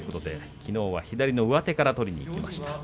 きのうは左の上手から取りにいきました。